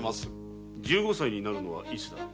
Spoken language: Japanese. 十五歳になるのはいつだ？